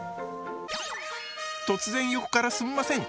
突然横からすんません。